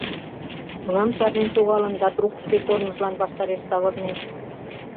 Кунам чарнен шогалын да трук шке корныжлан ваштареш савырнен?